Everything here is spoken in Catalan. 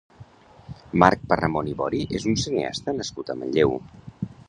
Marc Parramon i Bori és un cineasta nascut a Manlleu.